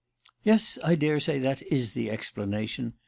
"Yes, I daresay that is the explanation.